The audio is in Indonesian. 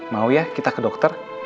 mau ya kita ke dokter